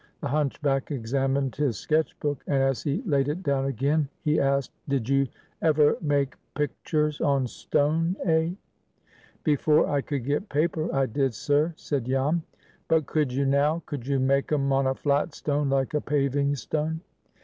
The hunchback examined his sketch book, and, as he laid it down again, he asked, "Did you ever make picters on stone, eh?" "Before I could get paper, I did, sir," said Jan. "But could you now? Could you make 'em on a flat stone, like a paving stone?"